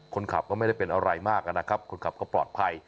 คนขับก็ไม่ได้เป็นอะไรมากนะครับคนขับก็ปลอดภัย